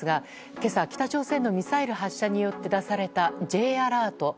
今朝、北朝鮮のミサイル発射によって出されたＪアラート。